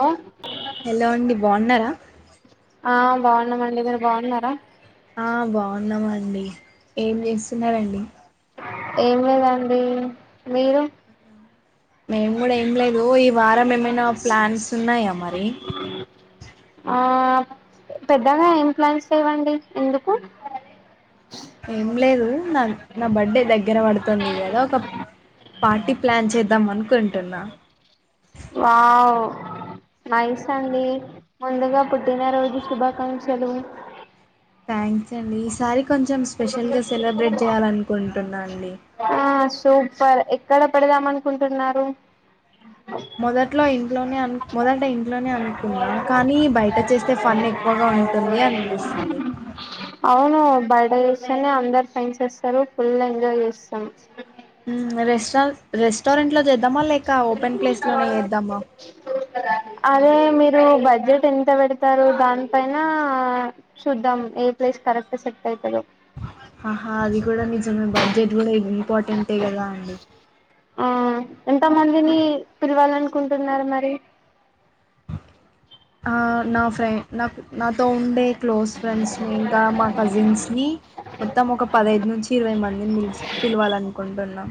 లో హలో అండి బాగున్నారా ఆ బాగున్నామండి మీరు బాగున్నారా ఆ బాగున్నామండి ఏం చేస్తున్నరండి ఏం లేదండి మీరు మేం గుడ ఏం లే పుడు ఈ వారం ఏమైనా ప్లాన్స్ ఉన్నాయ మరి? ఆ పెద్దగా ఏం ప్లాన్స్ లేవండి ఎందుకు? ఏం లేదు నా నా బర్త్డే దగ్గర పడుతుంది కదా, ఒక పార్టీ ప్లాన్ చేద్దాం అనుకుంటున్నా. వావ్ నైస్ అండి, ముందుగా పుట్టినరోజు శుభాకాంక్షలు. థ్యాంక్స్ అండి, ఈ సారి కొంచెం స్పెషల్ గా సెలబ్రేట్ చేయాలనుకుంటున్నా అండి. పర్ ఎక్కడ పెడదాం అనుకుంటున్నారు? మొదట్లో ఇంట్లోనే అన్ మొదట ఇన్ లోనే అనుకున్నా, కానీ బయట చేస్తే ఫన్ ఎక్కువగా ఉంటుంది అనిపిస్తుంది. బర్డే చేస్తేనే అందరు ఫ్రెండ్స్ అస్తరు, ఫుల్ ఎంజాయ్ జేస్తాం. ఉమ్ రెస్ రెస్టారెంట్ లో చేద్ అదే మీ దు బడ్జెట్ ఎంత పెడతారు దాని పైన చూద్దాం, ఏ ప్లేస్ కరెక్ట్ సెట్ అవుతదో ఆహా అది కూడా నిజమే బా. జెట్ కూడా ఇంపార్టెంటే కదా అండి. ఆ ఎంత మందిని పిలవాలనుకుంటున్నారు మరి? ఆ నా ఫ్రె నాకు నాతో ఉండే క్లోజ్ ఫ్రెండ్స్ ని, ఇంకా మా కజిన్స్ ని, మొత్తం ఒక పదైదు నుంచి ఇరవై మంది. నేన్ నిచ్ పిలవాలినుకుంటున్నా.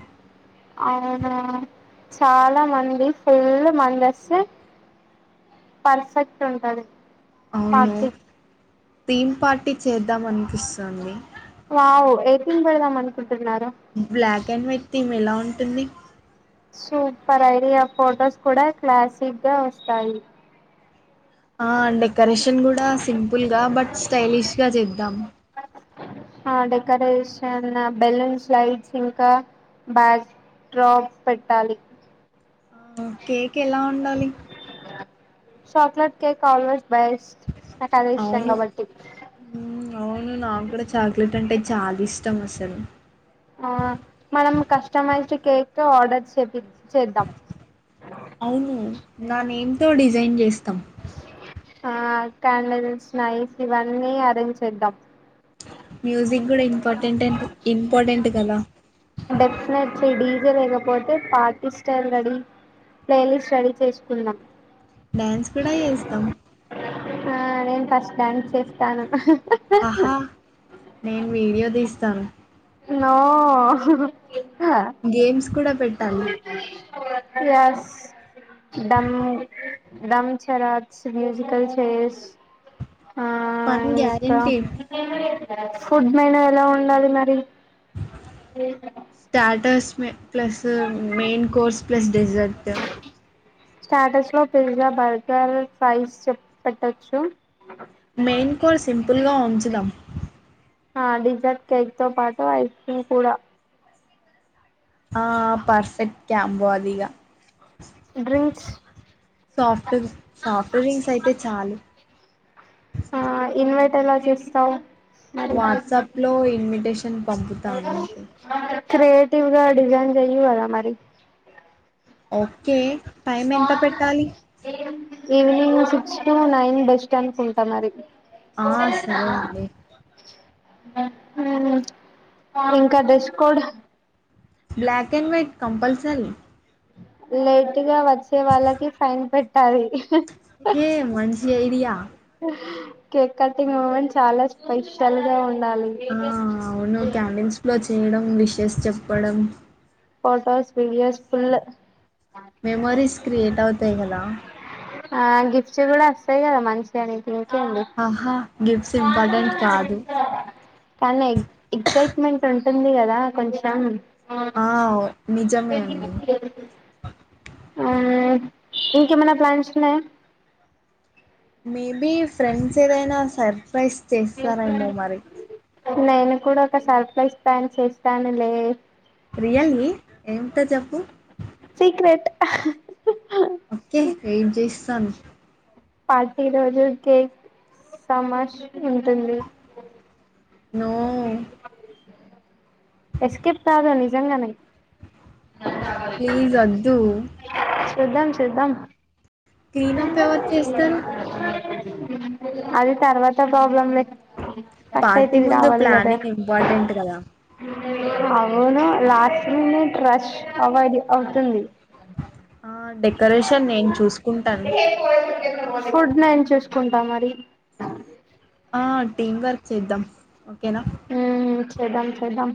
అవునా చాలా మంది ఫుల్ మందస్తే పర్ఫెక్ట్ ఉంటది. అవును పార్టీ థీమ్ పార్టీ చేద్దాం అనిపిస్తుంది. వావ్ ఏ క్రీమ్ పెడదామనుకుం బ్ల్యాక్ అండ్ వైట్ థీమ్ ఎలా ఉం పిన్ని సూపర్ ఐడియా, ఫొటోస్ కూడా క్లాసిక్ గా వస్తాయి. ఆ డెకరేషన్ కూడా సింపుల్ గా బట్ స్టైలిష్ గా చేద్దాము. ఆ డెకరేషన్ బెలూన్ స్లైడ్స్ ఇంకా బ్యాక్ డ్రాప్ పెట్టాలి. ఆ కేక్ ఎలా ఉండాలి? చాక్లేెట్ కేక్ కావల బైస్ట్ నాకదే ఇష్టం అవును కాబట్టి. హ్మ్. అవును నాకు కూడా చాక్లెట్ అంటే చాలా ఇష్టం అసలు. ఆ మనం కస్టమైజ్డ్ కేక్ తో ఆర్డర్ చెపి చేద్దాం. అవును నానే ఏంతో డిజైన్ చేస్తాం ఆ క్యాండల్స్ నైస్ ఇవన్నీ అరేంజ్ చేద్దాం మ్యూజిక్ కూడా ఇంపార్టెంట్ అన్ ఇంపార్టెంట్ కదా డెఫినెట్లీ డీజే లేకపోతే party style ready playlist ready చేసుకుందాం డాన్స్ కూడా జేస్తాం. ఆ నేను ఫస్ట్ డ్యాన్స్ చేస్తాను ఆహా నేను వీడియో తీస్తాను నో గేమ్స్ కూడా పెట్టాలి ప్లస్ దమ్ ధంమ్షలాచ్ మ్యూజికల్ చైర్స్ ఆ పని ఇంకా గ్యారెంటి ఫుడ్ మెనూ ఎలా ఉండాలి మరి స్టాటస్ మ plus main course plus dessert స్టాటస్లో పిజ్జా బర్గర్ ఫ్రైస్ చెప్ పెట్టచ్చు మెయిన్ కో సింపుల్ గా వంచుదం ఆ డిజర్ట్ కేక్ తో పాటు ఐస్ క్రీమ్ కూడా ఆ పర్ఫెక్ట్ కాంబో అధిగ డ్రింక్స్ సాఫ్ట్ సాఫ్ట్ డ్రింగ్స్ అయితే చాలు ఆ ఇన్వర్ట్ ఎలా చేస్తావు మరి వాట్సాప్ లో ఇన్విటేషన్ పంపుతాను క్రియేటివ్ గా డిజైన్ చెయ్యి కదా మరి ఓకే టైం ఎంత పెట్టాలి evening six to nine bus stand కు ఉంటా మరి ఆ సరే అండి ఇంకా dress code black and white compulsory late గా వచ్చే వాళ్ళకి ఫైన్ పెట్టాలి ఏ మంచి ఐడియా కేక్ కటింగ్ మూమెంట్ చాలా స్పెషల్ గా ఉన్ ఆ అవును క్యాంటీన్స్ లో చేయడం ఇష్ చేసి చెప్పడం photos videos full memories create అవుతాయి కదా ఆ గిఫ్ట్స్ కూడా వస్తాయి కదా మంచిగానే ఇంకేంది ఆహా గిఫ్ట్స్ ఇంపార్టెంట్ కాదు కానీ ఎ ఎగ్జైట్మెంట్ ఉంట ఉంటుంది కదా కొంచెం ఆ నిజమే అండి వ అవునా ఇంకేమైనా ప్లాన్స్ ఉన్నాయా మేబి ఫ్రెండ్స్ ఏదైనా సర్ప్రైజ్ చేస్తారెమో మరి నేను కూడా ఒక సర్ప్రైజ్ ప్లాన్ చేస్తాను లే రియల్లీ ఏంటో చెప్పు సీక్రెట్ సన్ పార్టీ రోజు కేక్ సమాష్ ఉంటుంది నో ఎస్కేప్ కాదు నిజంగానే ప్లీజ్ వద్దు చూద్దాం చూద్దాం క్లీనప్ ఎవరు చేస్తారు అది తర్వాత ప్రాబ్లమ్ లే ఫస్ట్ అయితే పార్టీ ఇది ముందు కావాలి కదా ప్లానింగ్ ఇంపార్టెంట్ కదా అవును లాస్ట్ లో ట్రష్ అవ్వాలి అవుతుంది ఆ డెకరేషన్ నేను చూసు కుంటాను ఫుడ్ నేను చూసుకుంటా మరి టీమ్ వర్క్ చేద్దాం ఓకేనా ఉమ్ చేద్దాం చేద్దాం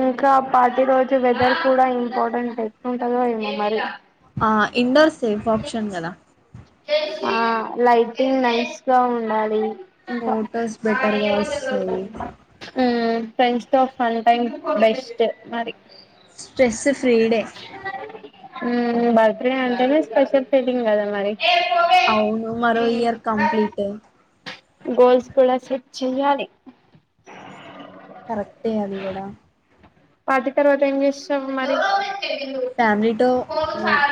ఇంకా పది రోజులు వెదర్ కూడా ఇంపార్టెంట్ ఎట్లుంటదో ఏమో మరి ఆ ఇండోర్ సేఫ్ ఆప్షన్ కదా ఆ లైటింగ్ నైస్ గా ఉండాలి ఇంకా ఫొటోస్ బెటర్గా వస్తాయి ఉమ్ ఫ్రెండ్స్ తో ఫన్ టైమ్ బెస్ట్ మరి స్పెసిఫ బర్త్ డే అంటేనే స్పెషల్ ఫీలింగ్ కదా మరి అవును మరో ఇయర్ కంప్లీట్ గోల్స్ కూడా సెట్చేయాలి కరెక్టే అది కూడా పార్టీ తర్వాత ఏం చేస్తారు మరి ఫ్యామిలీతో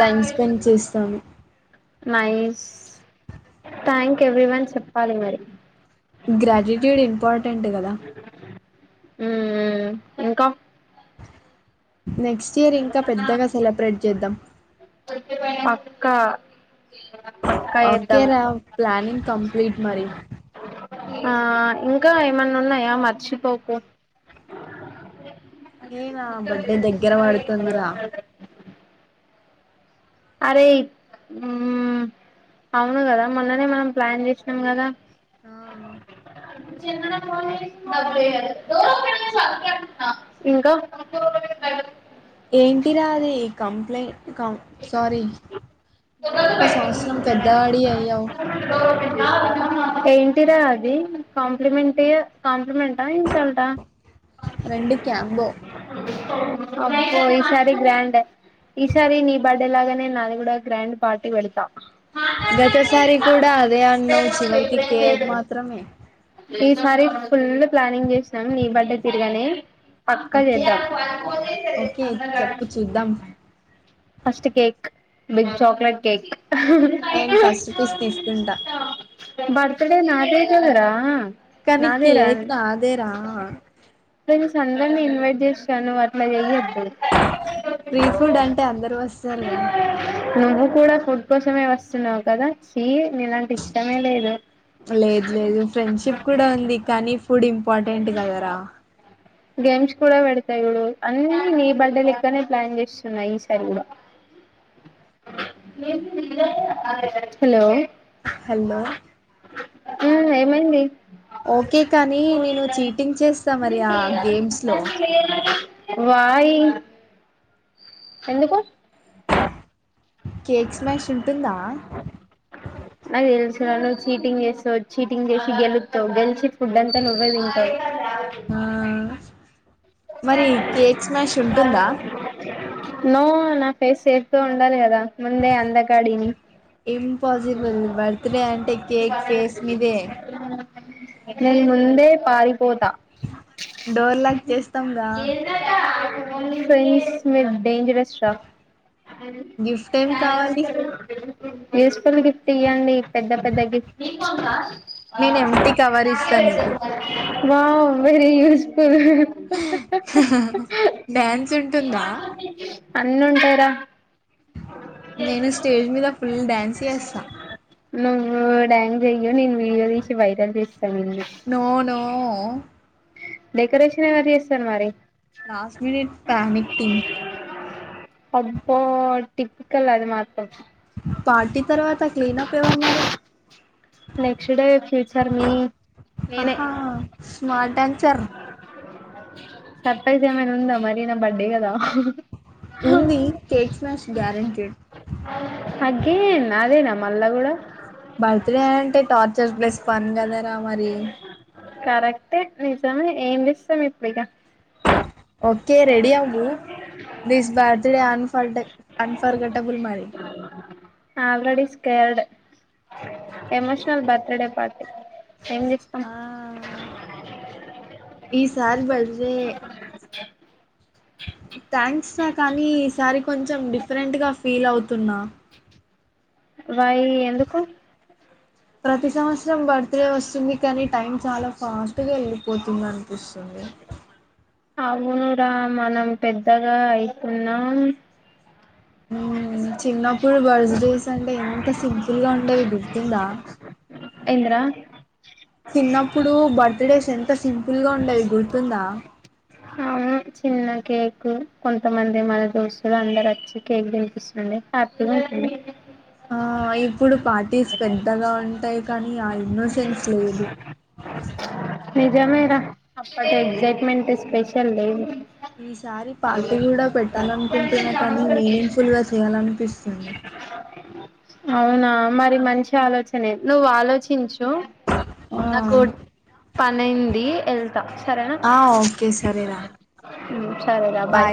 టైమ్ స్పెండ్ చేస్తాను నైయిస్ థ్యాంక్ ఎవ్రీ వన్ చెప్పాలి మరి గ్ర్రాటిట్యూడ్ ఇంపార్ర్ టెంట్ కదా ఉ ఇంకా నెక్స్ట్ ఇయర్ ఇంకా పెద్దగా సెలబ్రేట్ చేద్దాం కా ఓకేరా ప్లానింగ్ కంప్లీట్ మరి ఆ ఇంకా ఏమన్నా ఉన్నాయా మర్చిపోకు ఏనా బడ్డే ద గరవా పడుతుందిరా అరే అవును కదా మొన్ననే మనం ప్లాన్ చేసినాం కదా ఆ ఇంకా ఏంటి రా అది కంప్లైంట్ సారీ మళ్ళీ ఒక సంవత్సరం పెద్దవాడి అయ్యావు ఏయింటిరా అది కాంప్లిమెట్ కాంప్లిమెంట్ ఇన్సల్టా రెండు క్యాంబో అప్ప ఈసారి గ్రాండే ఈసారి నీ బర్డే లాగానే నాది కూడా గ్రాండ్ పార్టీ పెడతా గతసారి కూడా అదే అనవు చివరికి కేక్ మాత్రమే ఈసారి ఫుల్ ప్లానింగ్ చేసినాం నీ బర్త్డే తిరగానే పక్క ఓకే చెద్దం ఓకే చెప్పు చూద్దాం first cake big chocolate cake నేను ఫస్ట్ పీస్ తీసుకుంటా బర్త్ డే నాదే కదరా కనీకి నాదేరా ఏకినా ఆదేరా అందర్నీ ఇన్వైట్ చేసా నువ్వు అట్లా చేయదు సరగా నువ్వు కూడా ఫుడ్ కోసమే వస్తున్నావు కదా చీ నీలాంటి ఇష్టమే లేదు లేదు లేదు ఫ్రెండ్షిప్ కూడా ఉంది కానీ ఫుడ్ ఇంపార్టెంట్ కదరా గేమ్స్ కూడా పెడతాయి అన్ని నీ బర్త్డే లెక్కనే ప్లాన్ చేస్తున్నాయి ఈసారి కూడా హలో హలో ఉమ్ ఏమైంది. ఓకే కాని నేను చీటింగ్ చేస్తా మరి. ఆ ఆహ్ గేమ్స్ లో ఇబ్బంది లేదు కదా. వాయి ఎందుకు. కేక్స్ మ్యాష్ ఉంటుందా. నాకు తెలుసురా చీటింగ్ చేస్తవు చీటింగ్ చేసి గెలుతావు గెలిచి. ఫుడ్ అంతా నువ్వే తింటావు. ఆ మరి కేక్స్ మ్యాష్ ఉంటుందా. నో నా ఫేస్ షేపే ఉండాలి కదా. ముందే అందకాడిని. ఇంపాసిబుల్ బర్త్డే అంటే కేక్ ఫేస్ మీదే నేను ముందే పాల్ డోర్ లాక్ చేస్తాం. ఏందాక్క. ఫైస్ మీనాన. డేంజరస్ రా. ఉమ్ గిఫ్ట్ ఏం కావాలి ఎస్. అసలు గిఫ్ట్ ఇయ్యండి పెద్ద పెద్ద గిఫ్ట్లి. నేను ఎంటి కవర్ ఇస్తా నీకు వావ్ వెరీ యూస్ఫుల్. డ్యాన్స్ ఉంటుందా. అన్న అంటార. నేను స్టేజ్ మీద ఫుల్ డ్యాన్స్ చేస్తా. నువ్వు డాన్స్ చెయ్యు నేను వీడియో తీసి వైరల్ చేస్ నో నో. డెకరేషన్ ఎవరి చేస్తారు మరి. లాస్ట్ మినిట్ ప్యానిక్ థింగ్ అబ్బ టిపికల్ అది మాత్రం. పార్టీ తర్వాత క్లీన్ అప్ ఎవరు మరి నెక్స్ట్ డే ఫ్యూచర్ మీ నేనే ఆహా స్మార్ట్ అండ్ చర్. సర్ప్రైజ్ ఏమైనా ఉందా మరి నా బర్డే కదా. ఉంది కేక్ మ్యాష్ గ్యారెంటేడ్. ఏనా అదేనా మల్ళ కూడా. బర్త్డే అంటే టార్చర్ ప్లస్ పని కదరా మరి. కరెక్టే నిజమే ఏం చేస్తాం ఇప్పుడిక. ఓకే రెడి అవ్వు. దిస్ బర్త్ డే అన్ఫర్డే అన్ఫర్గటబుల్ మరి. Already scared emotional birthday party ఏం చేస్తాం ఆ ఈసార్ బర్త్ డే థ్యాంక్స్ కానీ ఈసారి కొంచెం కొంచెం డిఫరెంట్ గా ఫీల్ అవుతున్నా వయి ఎందుకు ప్రతి సంవత్సరం బర్త్ డే వస్తుంది కానీ టైం చాలా ఫాస్ట్ గా వెళ్ళిపోతుంది అనిపిస్తుంది అవునురా మనం పెద్దగా అయితున్నాం చిన్నప్పుడు బర్త్ డేస్ అంటే ఎంత సింపుల్ గా ఉండేవి ఇది [unintelligible] ఇంద్రా చిన్నప్పుడు బర్త్ డేస్ ఎంత సింపుల్గా ఉండది గుర్తుందా అవును చిన్న కేక్ కొంతమంది మన దోస్తులు అందరు వచ్చి కేక్ దనిపిస్తుడి హ్యాపీగా ఉంటుంది ఆ ఇప్పుడు పార్టీస్ పెద్దగా ఉంటాయి కానీ ఆ ఇన్నోసెన్స్ లేదు అ నిజమే రా అప్పటి ఎగ్జైట్మెంట్ స్పెషల్ లేవు ఈసారి పార్టీ కూడా పెట్టాలనుకుంటున్నా కానీ మీనింగ్ఫుల్ గా చేయాలనిపిస్తుంది అవునా మరి మంచి ఆలోచనే నువ్వు ఆలోచించు ఆ నాకు హింది ఎల్ ఆ ఓకే సరేనా ఉ సరే రా బాయ్